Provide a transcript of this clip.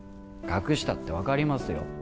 隠したって分かりますよ